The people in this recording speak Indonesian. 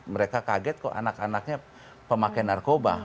mereka kaget kok anak anaknya pemakai narkoba